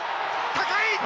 高い！